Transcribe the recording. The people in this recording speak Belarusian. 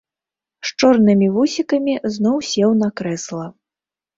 З чорнымі вусікамі зноў сеў на крэсла.